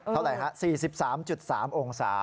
เท่าไหร่ฮะ๔๓๓องศา